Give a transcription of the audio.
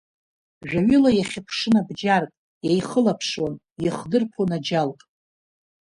Жәаҩыла иахьыԥшын абџьарк, еихылаԥшуан, иахдырԥон аџьалк.